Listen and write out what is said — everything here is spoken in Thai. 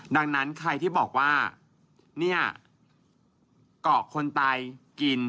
ดังนั้นใครที่บอกว่าเนี่ยเกาะคนตายกิน